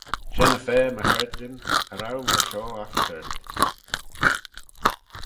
Shen y fa my charjyn cha row myr shoh agh paart.